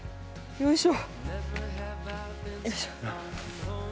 よいしょ。